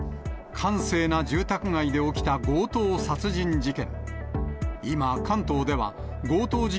閑静な住宅街で起きた強盗殺人事件。